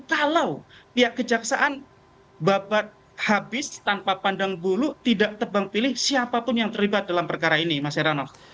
kalau pihak kejaksaan babat habis tanpa pandang bulu tidak tebang pilih siapapun yang terlibat dalam perkara ini mas heranov